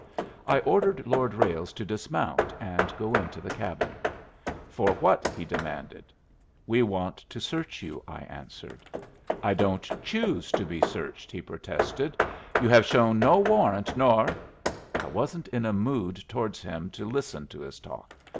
I ordered Lord Ralles to dismount and go into the cabin. "For what?" he demanded. "We want to search you," I answered. "I don't choose to be searched," he protested. "You have shown no warrant, nor " I wasn't in a mood towards him to listen to his talk.